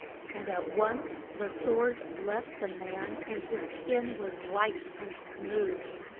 And at once the sores left the man and his skin was white and smooth.